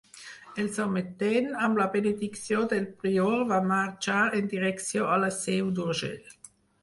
El sometent, amb la benedicció del prior, va marxar en direcció a la Seu d'Urgell.